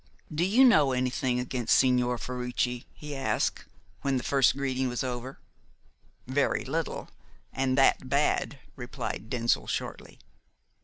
"Do you know anything against Signor Ferruci?" he asked, when the first greetings were over. "Very little, and that bad," replied Denzil shortly.